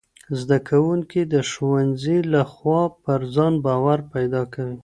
زدهکوونکي د ښوونځي له خوا پر ځان باور پیدا کوي.